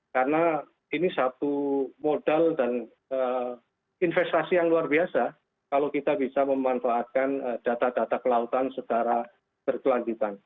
karena ini satu modal dan investasi yang luar biasa kalau kita bisa memanfaatkan data data pelautan secara berkelanjutan